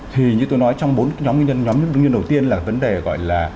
thì như tôi nói trong bốn nhóm nhân nhóm nhân đầu tiên là vấn đề gọi là